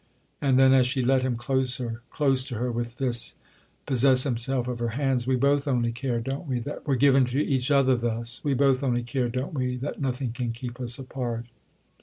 And then as she let him, closer, close to her with this, possess himself of her hands: "We both only care, don't we, that we're given to each other thus? We both only care, don't we, that nothing can keep us apart?"